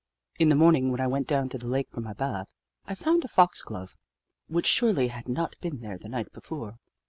In the morning, when I went down to the lake for my bath, I found a foxglove which surely had not been there the night be fore.